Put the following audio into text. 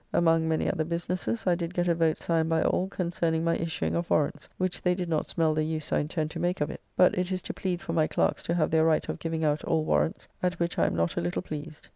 Among many other businesses, I did get a vote signed by all, concerning my issuing of warrants, which they did not smell the use I intend to make of it; but it is to plead for my clerks to have their right of giving out all warrants, at which I am not a little pleased.